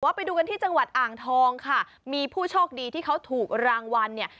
ไปดูกันที่จังหวัดอ่างทองค่ะมีผู้โชคดีที่เขาถูกรางวัลเนี่ย